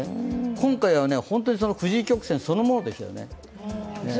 今回は藤井曲線そのものですね。